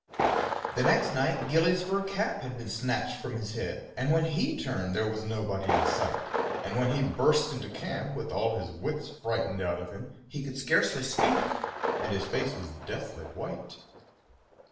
The next night Gillie's fur cap had been snatched from his head, and when he turned there was nobody in sight; and when he burst into camp, with all his wits frightened out of him, he could scarcely speak, and his face was deathly white.